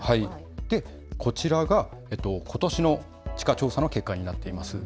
こちらがことしの地価調査の結果になっています。